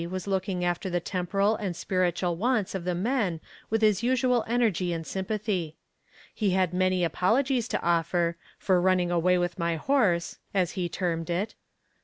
was looking after the temporal and spiritual wants of the men with his usual energy and sympathy. He had many apologies to offer "for running away with my horse," as he termed it.